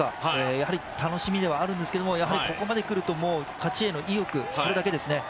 やはり楽しみではあるんですが、ここまで来ると勝ちへの意欲、それだけですね。